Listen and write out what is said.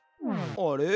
あれ？